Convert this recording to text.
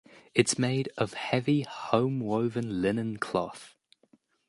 It is made of heavy home-woven linen cloth.